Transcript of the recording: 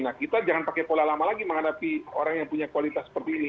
nah kita jangan pakai pola lama lagi menghadapi orang yang punya kualitas seperti ini